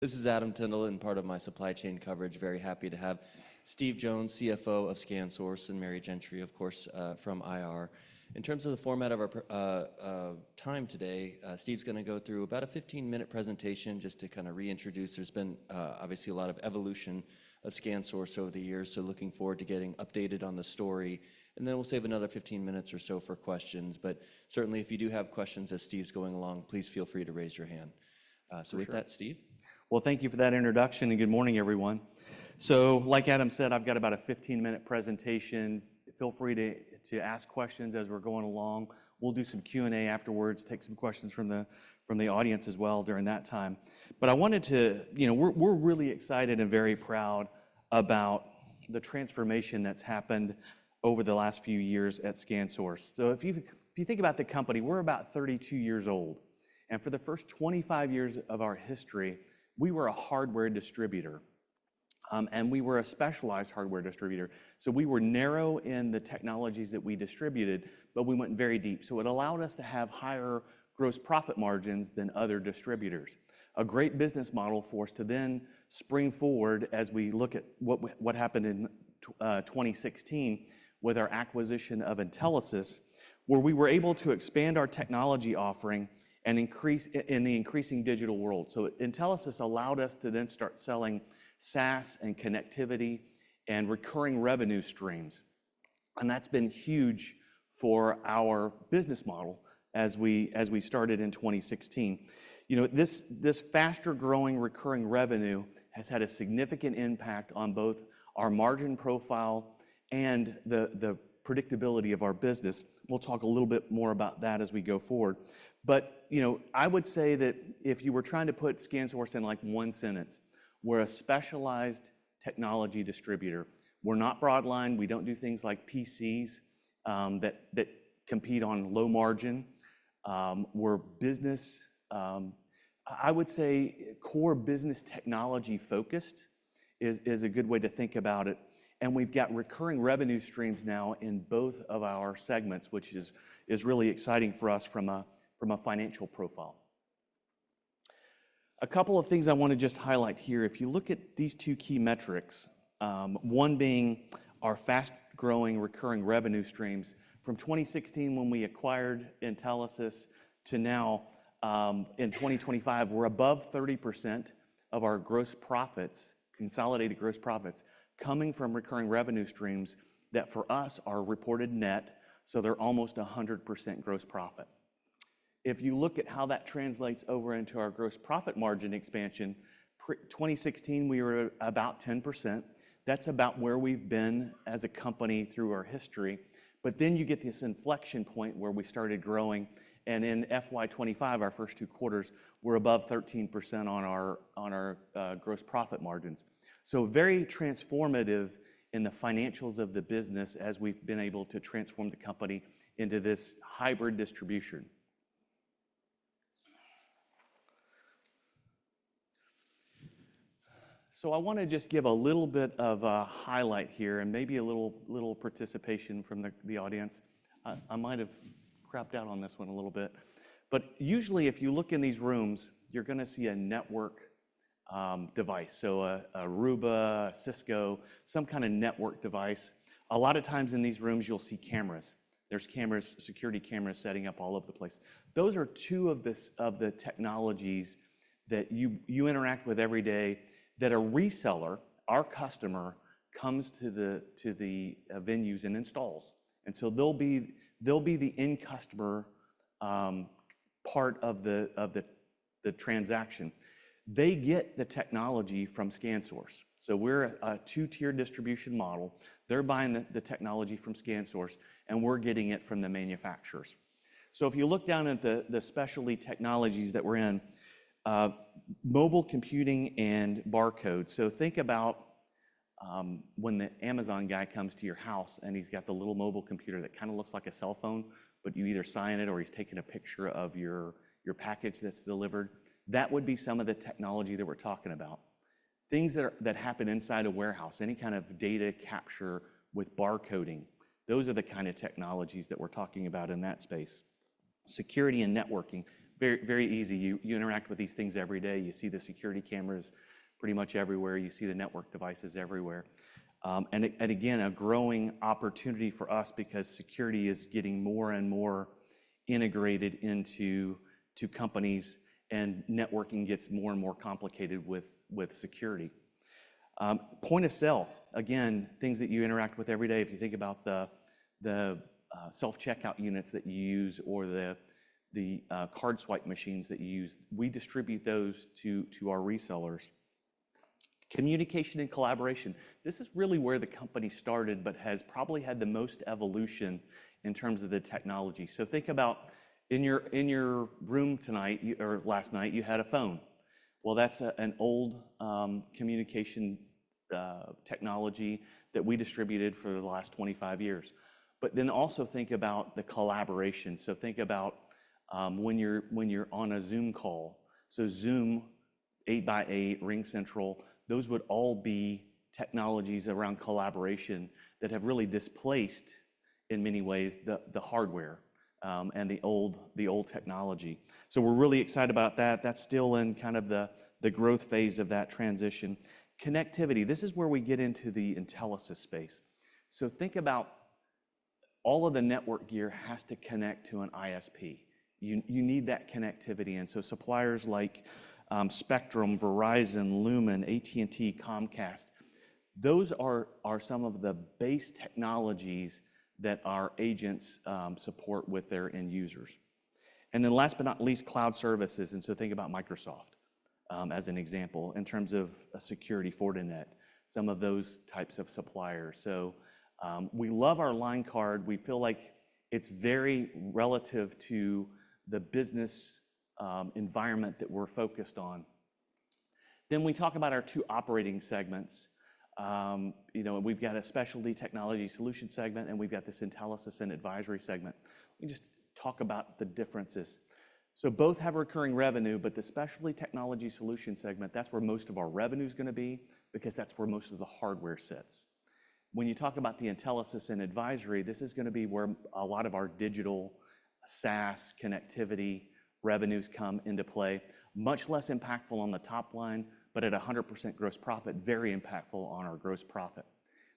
This is Adam Tindle, and part of my supply chain coverage. Very happy to have Steve Jones, CFO of ScanSource, and Mary Gentry, of course, from IR. In terms of the format of our time today, Steve's going to go through about a 15-minute presentation just to kind of reintroduce. There's been obviously a lot of evolution of ScanSource over the years, so looking forward to getting updated on the story. We will save another 15 minutes or so for questions. Certainly, if you do have questions as Steve's going along, please feel free to raise your hand. With that, Steve. Thank you for that introduction, and good morning, everyone. Like Adam said, I've got about a 15-minute presentation. Feel free to ask questions as we're going along. We'll do some Q&A afterwards, take some questions from the audience as well during that time. I wanted to, you know, we're really excited and very proud about the transformation that's happened over the last few years at ScanSource. If you think about the company, we're about 32 years old. For the first 25 years of our history, we were a hardware distributor. We were a specialized hardware distributor. We were narrow in the technologies that we distributed, but we went very deep. It allowed us to have higher gross profit margins than other distributors. A great business model for us to then spring forward as we look at what happened in 2016 with our acquisition of Intelisys, where we were able to expand our technology offering in the increasing digital world. Intelisys allowed us to then start selling SaaS and connectivity and recurring revenue streams. That's been huge for our business model as we started in 2016. You know, this faster growing recurring revenue has had a significant impact on both our margin profile and the predictability of our business. We'll talk a little bit more about that as we go forward. You know, I would say that if you were trying to put ScanSource in like one sentence, we're a specialized technology distributor. We're not broadline. We don't do things like PCs that compete on low margin. We're business, I would say, core business technology focused is a good way to think about it. We've got recurring revenue streams now in both of our segments, which is really exciting for us from a financial profile. A couple of things I want to just highlight here. If you look at these two key metrics, one being our fast-growing recurring revenue streams. From 2016, when we acquired Intelisys, to now in 2025, we're above 30% of our gross profits, consolidated gross profits, coming from recurring revenue streams that for us are reported net. They're almost 100% gross profit. If you look at how that translates over into our gross profit margin expansion, 2016 we were about 10%. That's about where we've been as a company through our history. You get this inflection point where we started growing. In FY25, our first two quarters, we're above 13% on our gross profit margins. Very transformative in the financials of the business as we've been able to transform the company into this hybrid distribution. I want to just give a little bit of a highlight here and maybe a little participation from the audience. I might have crapped out on this one a little bit. Usually, if you look in these rooms, you're going to see a network device. Aruba, a Cisco, some kind of network device. A lot of times in these rooms, you'll see cameras. There's cameras, security cameras setting up all over the place. Those are two of the technologies that you interact with every day that a reseller, our customer, comes to the venues and installs. They'll be the in-customer part of the transaction. They get the technology from ScanSource. We're a two-tier distribution model. They're buying the technology from ScanSource, and we're getting it from the manufacturers. If you look down at the specialty technologies that we're in, mobile computing and barcodes. Think about when the Amazon guy comes to your house and he's got the little mobile computer that kind of looks like a cell phone, but you either sign it or he's taking a picture of your package that's delivered. That would be some of the technology that we're talking about. Things that happen inside a warehouse, any kind of data capture with barcoding, those are the kind of technologies that we're talking about in that space. Security and networking, very easy. You interact with these things every day. You see the security cameras pretty much everywhere. You see the network devices everywhere. Again, a growing opportunity for us because security is getting more and more integrated into companies and networking gets more and more complicated with security. Point of sale, again, things that you interact with every day. If you think about the self-checkout units that you use or the card swipe machines that you use, we distribute those to our resellers. Communication and collaboration. This is really where the company started but has probably had the most evolution in terms of the technology. Think about in your room tonight or last night, you had a phone. That's an old communication technology that we distributed for the last 25 years. Also think about the collaboration. Think about when you're on a Zoom call. Zoom, 8x8, RingCentral, those would all be technologies around collaboration that have really displaced, in many ways, the hardware and the old technology. We're really excited about that. That's still in kind of the growth phase of that transition. Connectivity, this is where we get into the Intelisys space. Think about all of the network gear has to connect to an ISP. You need that connectivity. Suppliers like Spectrum, Verizon, Lumen, AT&T, Comcast, those are some of the base technologies that our agents support with their end users. Last but not least, cloud services. Think about Microsoft as an example in terms of a security Fortinet, some of those types of suppliers. We love our line card. We feel like it's very relative to the business environment that we're focused on. We talk about our two operating segments. You know, we've got a specialty technology solution segment, and we've got this Intelisys and advisory segment. We just talk about the differences. Both have recurring revenue, but the specialty technology solution segment, that's where most of our revenue is going to be because that's where most of the hardware sits. When you talk about the Intelisys and advisory, this is going to be where a lot of our digital SaaS connectivity revenues come into play. Much less impactful on the top line, but at 100% gross profit, very impactful on our gross profit.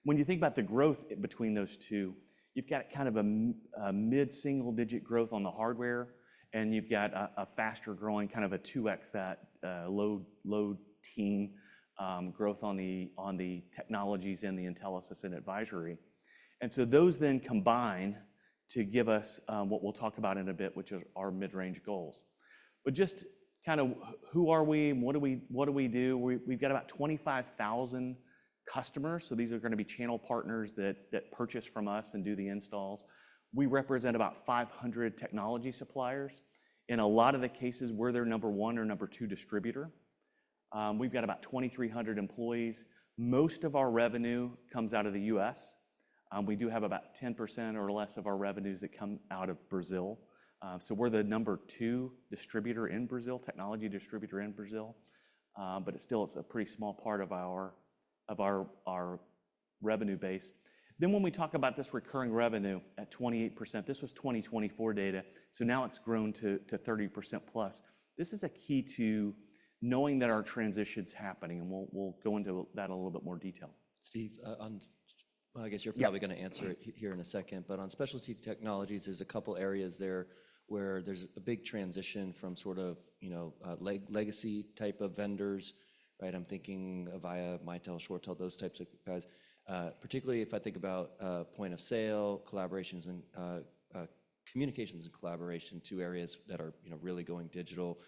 When you think about the growth between those two, you've got kind of a mid-single digit growth on the hardware, and you've got a faster growing, kind of a 2x that low-teens growth on the technologies and the Intelisys and advisory. Those then combine to give us what we'll talk about in a bit, which are our mid-range goals. Just kind of who are we? What do we do? We've got about 25,000 customers. These are going to be channel partners that purchase from us and do the installs. We represent about 500 technology suppliers. In a lot of the cases, we're their number one or number two distributor. We've got about 2,300 employees. Most of our revenue comes out of the U.S. We do have about 10% or less of our revenues that come out of Brazil. We're the number two technology distributor in Brazil. It still is a pretty small part of our revenue base. When we talk about this recurring revenue at 28%, this was 2024 data. Now it's grown to 30% plus. This is a key to knowing that our transition's happening. We'll go into that in a little bit more detail. Steve, I guess you're probably going to answer it here in a second. On specialty technologies, there's a couple of areas there where there's a big transition from sort of legacy type of vendors, right? I'm thinking of Avaya, Mitel, ShoreTel, those types of guys. Particularly if I think about point of sale, collaborations, and communications and collaboration, two areas that are really going digital.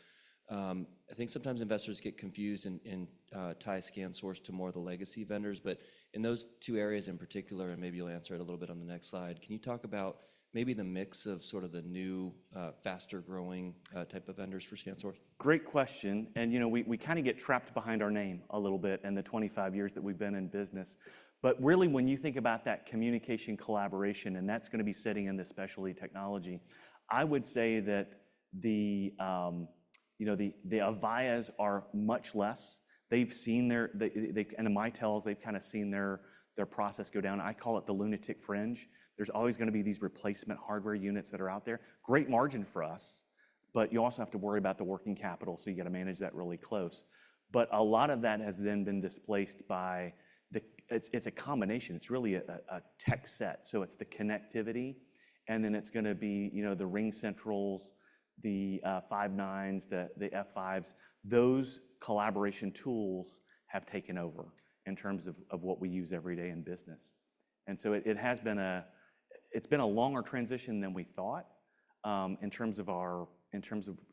I think sometimes investors get confused and tie ScanSource to more of the legacy vendors. In those two areas in particular, and maybe you'll answer it a little bit on the next slide, can you talk about maybe the mix of sort of the new faster growing type of vendors for ScanSource? Great question. You know, we kind of get trapped behind our name a little bit in the 25 years that we've been in business. Really, when you think about that communication collaboration, that's going to be sitting in the specialty technology. I would say that the, you know, the Avayas are much less. They've seen their, and the Mitels, they've kind of seen their process go down. I call it the lunatic fringe. There's always going to be these replacement hardware units that are out there. Great margin for us. You also have to worry about the working capital. You got to manage that really close. A lot of that has then been displaced by the, it's a combination. It's really a tech set. It's the connectivity. Then it's going to be, you know, the RingCentrals, the Five9s, the F5s. Those collaboration tools have taken over in terms of what we use every day in business. It has been a longer transition than we thought in terms of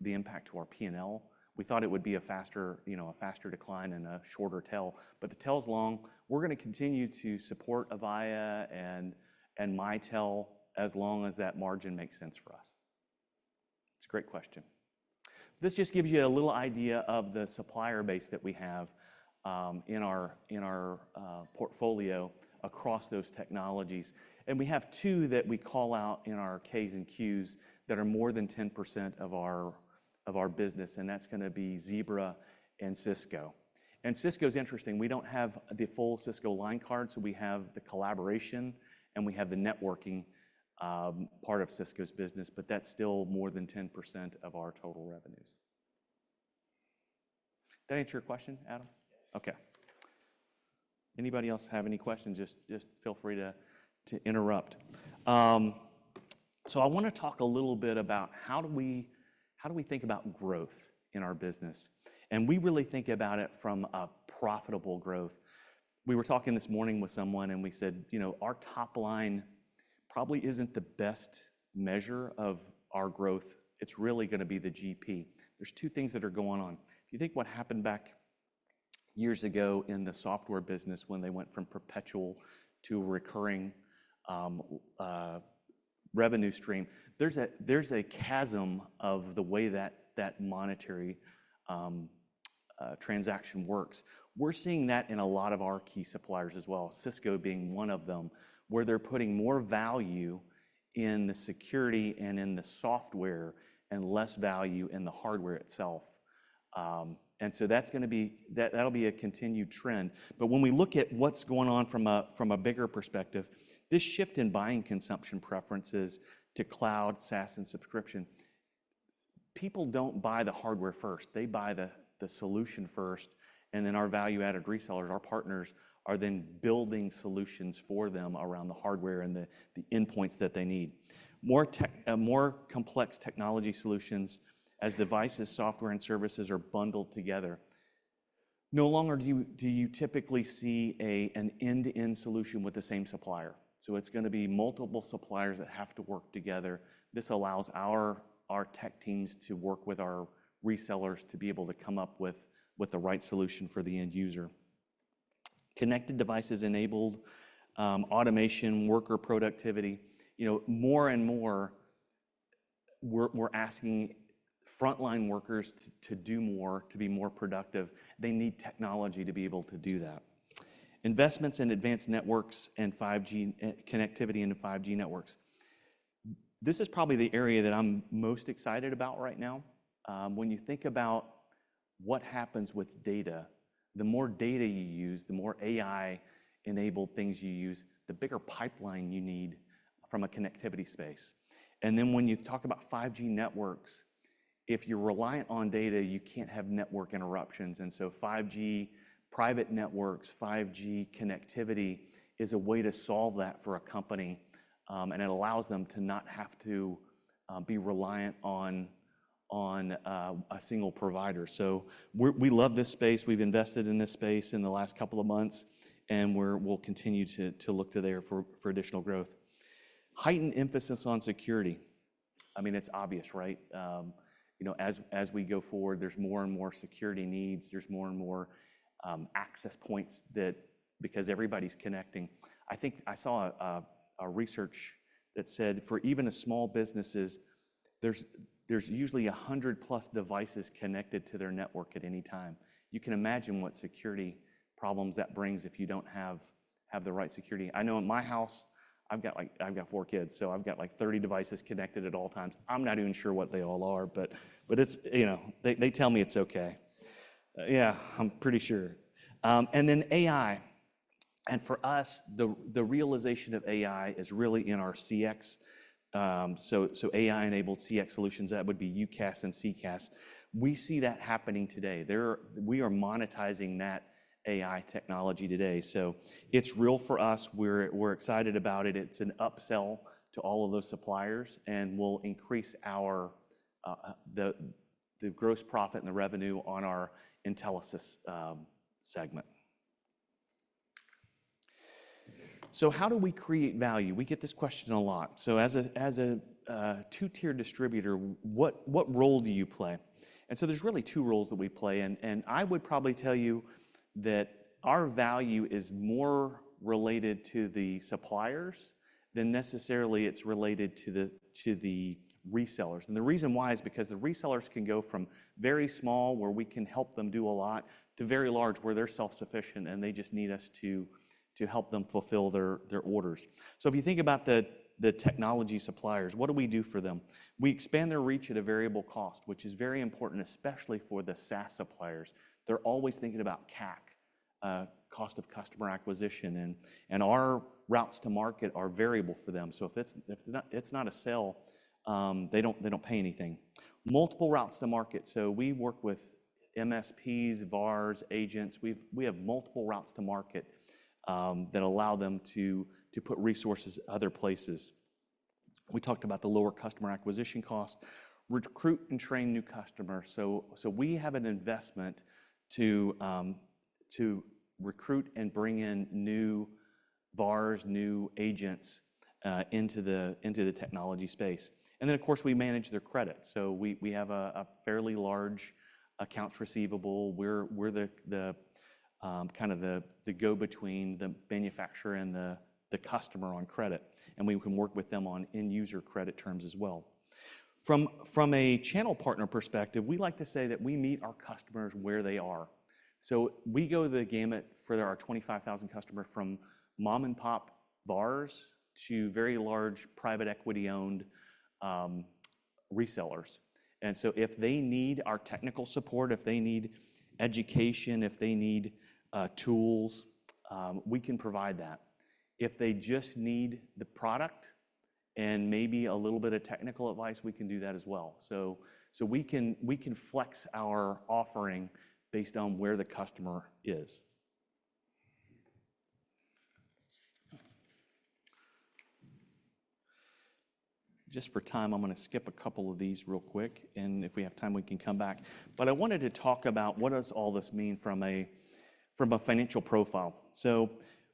the impact to our P&L. We thought it would be a faster, you know, a faster decline and a shorter tail. The tail's long. We're going to continue to support Avaya and Mitel as long as that margin makes sense for us. It's a great question. This just gives you a little idea of the supplier base that we have in our portfolio across those technologies. We have two that we call out in our Ks and Qs that are more than 10% of our business. That's going to be Zebra and Cisco. Cisco's interesting. We don't have the full Cisco line card. We have the collaboration, and we have the networking part of Cisco's business. But that's still more than 10% of our total revenues. Did that answer your question, Adam? Okay. Anybody else have any questions? Just feel free to interrupt. I want to talk a little bit about how do we think about growth in our business. We really think about it from a profitable growth. We were talking this morning with someone, and we said, you know, our top line probably isn't the best measure of our growth. It's really going to be the GP. There are two things that are going on. If you think what happened back years ago in the software business when they went from perpetual to recurring revenue stream, there is a chasm of the way that monetary transaction works. We're seeing that in a lot of our key suppliers as well, Cisco being one of them, where they're putting more value in the security and in the software and less value in the hardware itself. That is going to be, that'll be a continued trend. When we look at what's going on from a bigger perspective, this shift in buying consumption preferences to cloud, SaaS, and subscription, people do not buy the hardware first. They buy the solution first. Then our value-added resellers, our partners, are building solutions for them around the hardware and the endpoints that they need. More complex technology solutions as devices, software, and services are bundled together. No longer do you typically see an end-to-end solution with the same supplier. It is going to be multiple suppliers that have to work together. This allows our tech teams to work with our resellers to be able to come up with the right solution for the end user. Connected devices enabled, automation, worker productivity. You know, more and more, we're asking frontline workers to do more, to be more productive. They need technology to be able to do that. Investments in advanced networks and 5G connectivity into 5G networks. This is probably the area that I'm most excited about right now. When you think about what happens with data, the more data you use, the more AI-enabled things you use, the bigger pipeline you need from a connectivity space. When you talk about 5G networks, if you're reliant on data, you can't have network interruptions. 5G private networks, 5G connectivity is a way to solve that for a company. It allows them to not have to be reliant on a single provider. We love this space. We've invested in this space in the last couple of months, and we'll continue to look to there for additional growth. Heightened emphasis on security. I mean, it's obvious, right? You know, as we go forward, there's more and more security needs. There's more and more access points that because everybody's connecting. I think I saw a research that said for even small businesses, there's usually 100-plus devices connected to their network at any time. You can imagine what security problems that brings if you don't have the right security. I know in my house, I've got like I've got four kids, so I've got like 30 devices connected at all times. I'm not even sure what they all are, but it's, you know, they tell me it's okay. Yeah, I'm pretty sure. And then AI. And for us, the realization of AI is really in our CX. So AI-enabled CX solutions, that would be UCaaS and CCaaS. We see that happening today. We are monetizing that AI technology today. So it's real for us. We're excited about it. It's an upsell to all of those suppliers, and we'll increase the gross profit and the revenue on our Intelisys segment. How do we create value? We get this question a lot. As a two-tier distributor, what role do you play? There are really two roles that we play. I would probably tell you that our value is more related to the suppliers than necessarily it's related to the resellers. The reason why is because the resellers can go from very small, where we can help them do a lot, to very large, where they're self-sufficient and they just need us to help them fulfill their orders. If you think about the technology suppliers, what do we do for them? We expand their reach at a variable cost, which is very important, especially for the SaaS suppliers. They're always thinking about CAC, cost of customer acquisition. Our routes to market are variable for them. If it's not a sale, they don't pay anything. Multiple routes to market. We work with MSPs, VARs, agents. We have multiple routes to market that allow them to put resources other places. We talked about the lower customer acquisition cost, recruit and train new customers. We have an investment to recruit and bring in new VARs, new agents into the technology space. Of course, we manage their credit. We have a fairly large accounts receivable. We're kind of the go-between, the manufacturer and the customer on credit. We can work with them on end user credit terms as well. From a channel partner perspective, we like to say that we meet our customers where they are. We go the gamut for our 25,000 customers from mom-and-pop VARs to very large private equity-owned resellers. If they need our technical support, if they need education, if they need tools, we can provide that. If they just need the product and maybe a little bit of technical advice, we can do that as well. We can flex our offering based on where the customer is. Just for time, I'm going to skip a couple of these real quick. If we have time, we can come back. I wanted to talk about what does all this mean from a financial profile.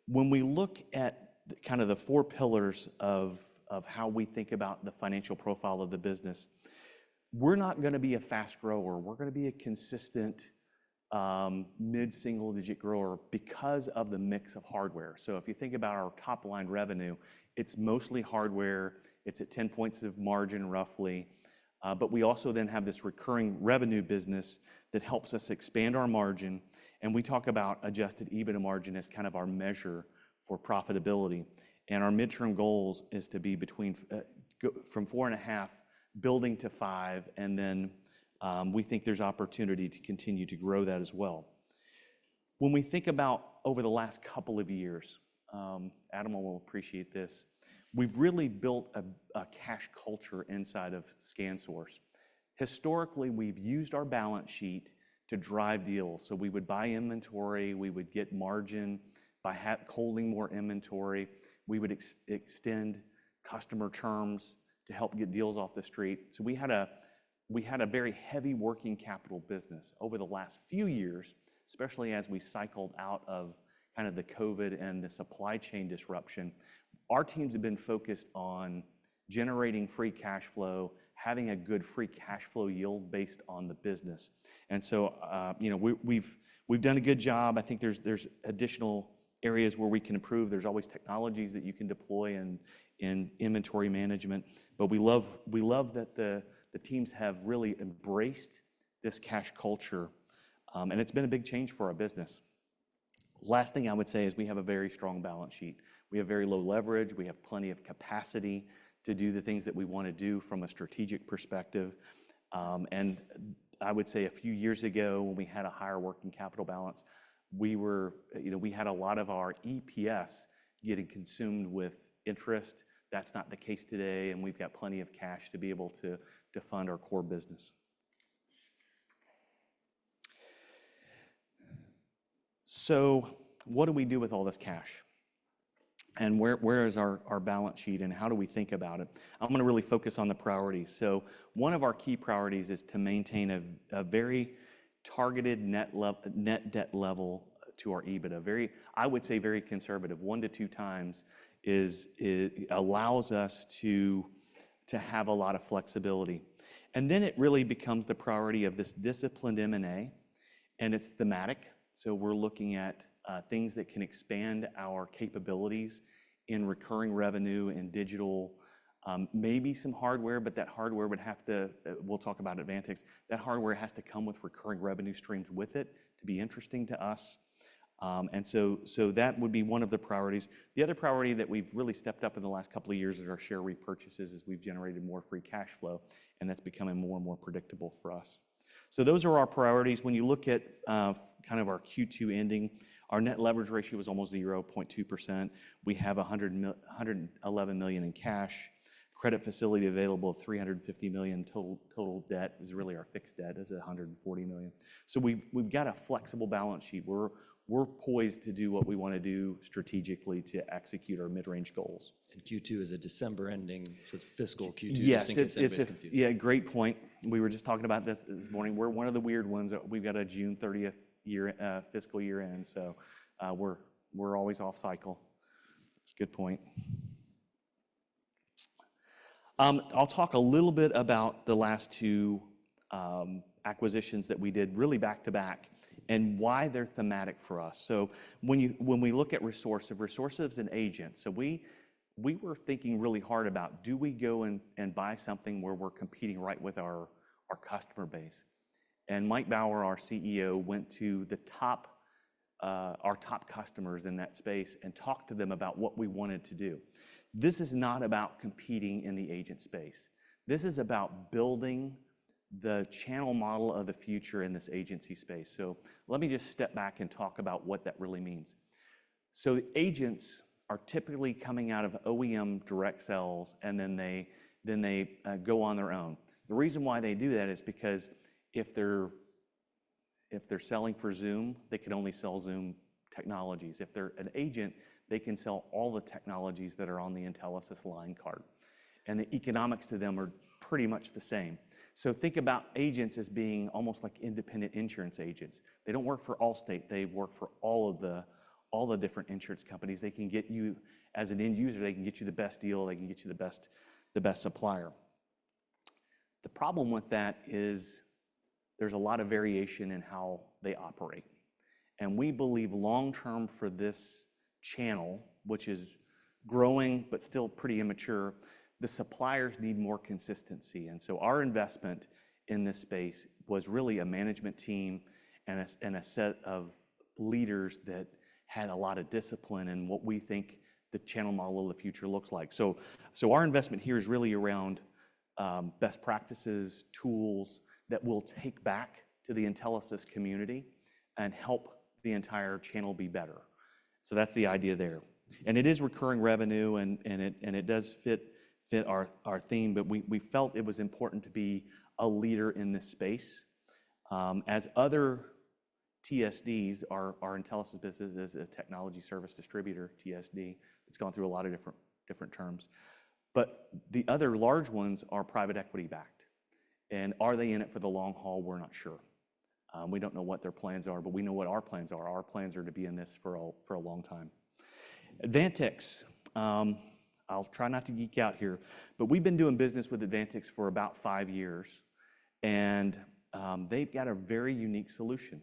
When we look at kind of the four pillars of how we think about the financial profile of the business, we're not going to be a fast grower. We're going to be a consistent mid-single digit grower because of the mix of hardware. If you think about our top line revenue, it's mostly hardware. It's at 10 points of margin, roughly. We also then have this recurring revenue business that helps us expand our margin. We talk about adjusted EBITDA margin as kind of our measure for profitability. Our midterm goal is to be between four and a half building to five. We think there's opportunity to continue to grow that as well. When we think about over the last couple of years, Adam will appreciate this, we've really built a cash culture inside of ScanSource. Historically, we've used our balance sheet to drive deals. We would buy inventory. We would get margin by holding more inventory. We would extend customer terms to help get deals off the street. We had a very heavy working capital business over the last few years, especially as we cycled out of kind of the COVID and the supply chain disruption. Our teams have been focused on generating free cash flow, having a good free cash flow yield based on the business. You know, we've done a good job. I think there's additional areas where we can improve. There's always technologies that you can deploy in inventory management. We love that the teams have really embraced this cash culture. It's been a big change for our business. Last thing I would say is we have a very strong balance sheet. We have very low leverage. We have plenty of capacity to do the things that we want to do from a strategic perspective. I would say a few years ago, when we had a higher working capital balance, you know, we had a lot of our EPS getting consumed with interest. That's not the case today. We've got plenty of cash to be able to fund our core business. What do we do with all this cash? Where is our balance sheet? How do we think about it? I'm going to really focus on the priorities. One of our key priorities is to maintain a very targeted net debt level to our EBITDA, very, I would say, very conservative. One to two times allows us to have a lot of flexibility. It really becomes the priority of this disciplined M&A. It's thematic. We're looking at things that can expand our capabilities in recurring revenue and digital, maybe some hardware, but that hardware would have to, we'll talk about Advantix. That hardware has to come with recurring revenue streams with it to be interesting to us. That would be one of the priorities. The other priority that we've really stepped up in the last couple of years is our share repurchases as we've generated more free cash flow. That's becoming more and more predictable for us. Those are our priorities. When you look at kind of our Q2 ending, our net leverage ratio was almost 0.2%. We have $111 million in cash, credit facility available of $350 million. Total debt is really our fixed debt is $140 million. We've got a flexible balance sheet. We're poised to do what we want to do strategically to execute our mid-range goals. Q2 is a December ending. So it's a fiscal Q2. Yes, it is. Yeah, great point. We were just talking about this this morning. We're one of the weird ones. We've got a June 30th fiscal year end. So we're always off cycle. That's a good point. I'll talk a little bit about the last two acquisitions that we did really back to back and why they're thematic for us. When we look at Resourcive, resources and agents, we were thinking really hard about do we go and buy something where we're competing right with our customer base. Mike Baur, our CEO, went to our top customers in that space and talked to them about what we wanted to do. This is not about competing in the agent space. This is about building the channel model of the future in this agency space. Let me just step back and talk about what that really means. Agents are typically coming out of OEM direct sells, and then they go on their own. The reason why they do that is because if they're selling for Zoom, they can only sell Zoom technologies. If they're an agent, they can sell all the technologies that are on the Intelisys line card. The economics to them are pretty much the same. Think about agents as being almost like independent insurance agents. They don't work for Allstate. They work for all of the different insurance companies. They can get you as an end user, they can get you the best deal. They can get you the best supplier. The problem with that is there's a lot of variation in how they operate. We believe long term for this channel, which is growing but still pretty immature, the suppliers need more consistency. Our investment in this space was really a management team and a set of leaders that had a lot of discipline in what we think the channel model of the future looks like. Our investment here is really around best practices, tools that will take back to the Intelisys community and help the entire channel be better. That is the idea there. It is recurring revenue, and it does fit our theme, but we felt it was important to be a leader in this space. As other TSDs, our Intelisys business is a technology service distributor, TSD. It has gone through a lot of different terms. The other large ones are private equity-backed. Are they in it for the long haul? We are not sure. We do not know what their plans are, but we know what our plans are. Our plans are to be in this for a long time. Advantix, I will try not to geek out here, but we have been doing business with Advantix for about five years. They have got a very unique solution.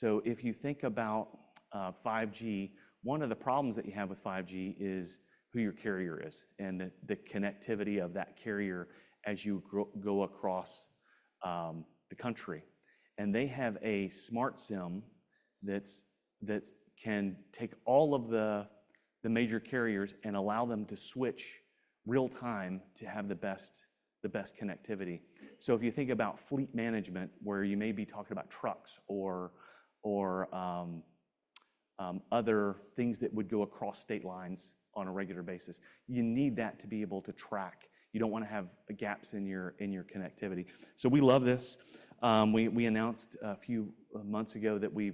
If you think about 5G, one of the problems that you have with 5G is who your carrier is and the connectivity of that carrier as you go across the country. They have a SmartSIM that can take all of the major carriers and allow them to switch real time to have the best connectivity. If you think about fleet management, where you may be talking about trucks or other things that would go across state lines on a regular basis, you need that to be able to track. You do not want to have gaps in your connectivity. We love this. We announced a few months ago that we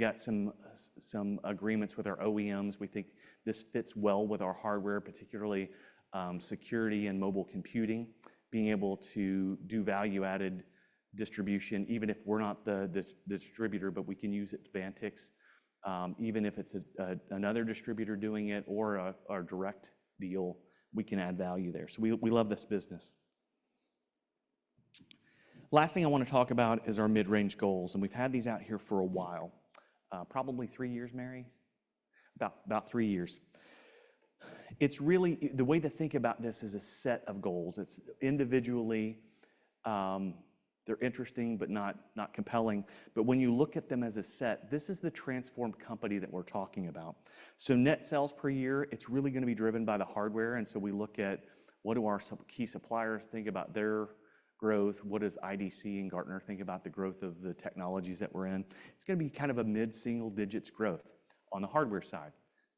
have some agreements with our OEMs. We think this fits well with our hardware, particularly security and mobile computing, being able to do value-added distribution, even if we are not the distributor, but we can use Advantix. Even if it's another distributor doing it or a direct deal, we can add value there. We love this business. Last thing I want to talk about is our mid-range goals. We have had these out here for a while, probably three years, Mary, about three years. The way to think about this is a set of goals. Individually, they are interesting, but not compelling. When you look at them as a set, this is the transformed company that we are talking about. Net sales per year are really going to be driven by the hardware. We look at what our key suppliers think about their growth. What does IDC and Gartner think about the growth of the technologies that we are in? It is going to be kind of a mid-single digits growth on the hardware side.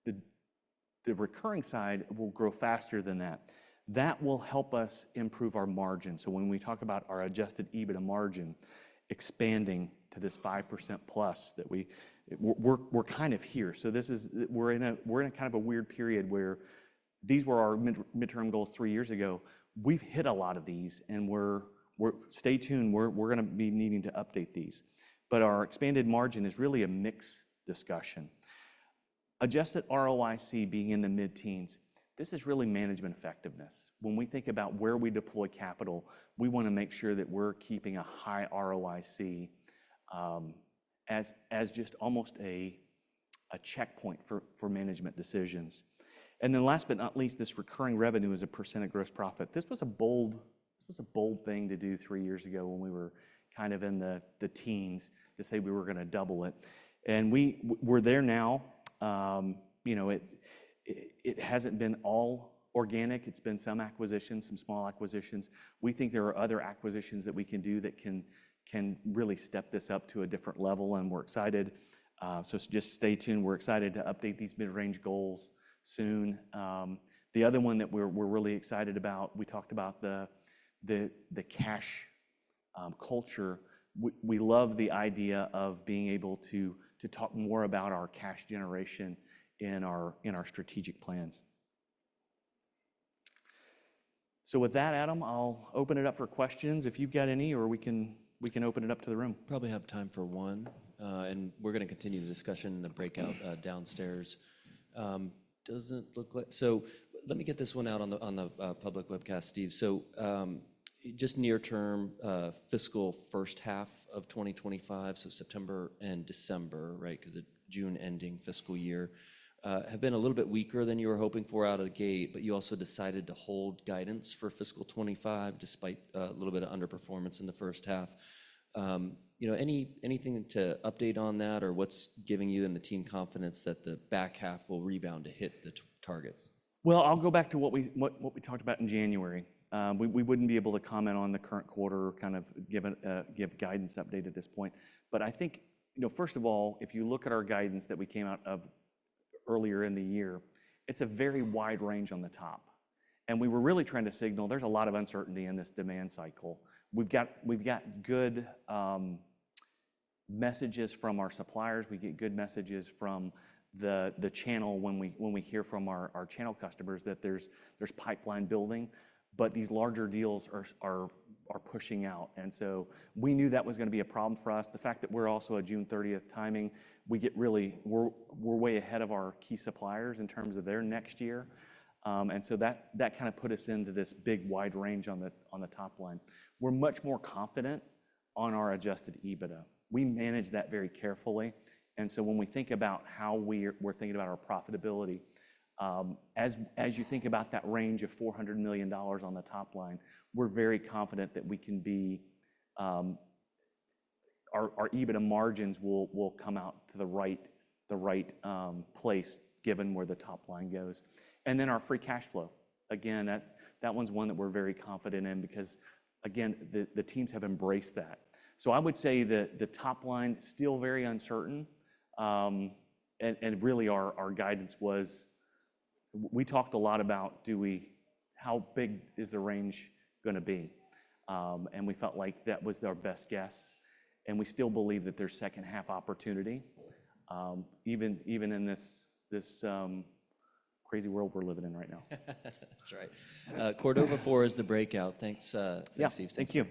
The recurring side will grow faster than that. That will help us improve our margin. When we talk about our adjusted EBITDA margin expanding to this 5% plus that we're kind of here. We're in a kind of a weird period where these were our midterm goals three years ago. We've hit a lot of these. Stay tuned. We're going to be needing to update these. Our expanded margin is really a mixed discussion. Adjusted ROIC being in the mid-teens. This is really management effectiveness. When we think about where we deploy capital, we want to make sure that we're keeping a high ROIC as just almost a checkpoint for management decisions. Last but not least, this recurring revenue is a percent of gross profit. This was a bold thing to do three years ago when we were kind of in the teens to say we were going to double it. And we're there now. You know, it hasn't been all organic. It's been some acquisitions, some small acquisitions. We think there are other acquisitions that we can do that can really step this up to a different level. We're excited. Just stay tuned. We're excited to update these mid-range goals soon. The other one that we're really excited about, we talked about the cash culture. We love the idea of being able to talk more about our cash generation in our strategic plans. With that, Adam, I'll open it up for questions if you've got any, or we can open it up to the room. Probably have time for one. We're going to continue the discussion in the breakout downstairs. Doesn't look like—let me get this one out on the public webcast, Steve. Just near-term fiscal first half of 2025, so September and December, right? Because June ending fiscal year has been a little bit weaker than you were hoping for out of the gate, but you also decided to hold guidance for fiscal 2025 despite a little bit of underperformance in the first half. You know, anything to update on that or what's giving you and the team confidence that the back half will rebound to hit the targets? I will go back to what we talked about in January. We would not be able to comment on the current quarter or kind of give guidance update at this point. I think, you know, first of all, if you look at our guidance that we came out of earlier in the year, it is a very wide range on the top. We were really trying to signal there is a lot of uncertainty in this demand cycle. We have got good messages from our suppliers. We get good messages from the channel when we hear from our channel customers that there is pipeline building. These larger deals are pushing out. We knew that was going to be a problem for us. The fact that we are also a June 30 timing, we get really—we are way ahead of our key suppliers in terms of their next year. That kind of put us into this big wide range on the top line. We're much more confident on our adjusted EBITDA. We manage that very carefully. When we think about how we're thinking about our profitability, as you think about that range of $400 million on the top line, we're very confident that we can be—our EBITDA margins will come out to the right place given where the top line goes. Our free cash flow, again, that one's one that we're very confident in because, again, the teams have embraced that. I would say the top line is still very uncertain. Really our guidance was we talked a lot about how big is the range going to be. We felt like that was our best guess. We still believe that there's second half opportunity even in this crazy world we're living in right now. That's right. Quarter before is the breakout. Thanks, Steve. Thank you.